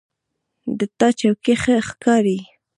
د تا چوکۍ ښه ښکاري